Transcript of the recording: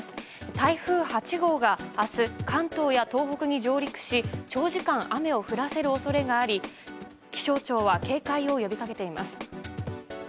台風８号が明日、関東や東北に上陸し長時間雨を降らせる恐れがあり気象庁は警戒を呼びかけています。